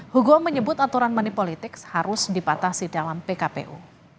hugo menyebut aturan manipolitik harus dipatasi dalam pkpu